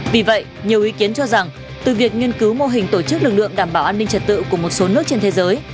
vì vậy nhiều ý kiến cho rằng từ việc nghiên cứu mô hình tổ chức lực lượng đảm bảo an ninh trật tự của một số nước trên thế giới